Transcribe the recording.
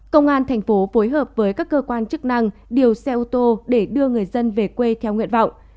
công an thành phố phối hợp với các cơ quan chức năng điều xe ô tô để đưa người dân về quê theo nguyện vọng